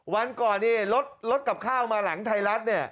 วันก่อนนี่รถกับข้าวมาหลังไทยรัฐเนี่ย